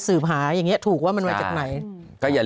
สืบหาอย่างเงี้ยถูกว่ามันเวลามันมาจากไหนก็อย่า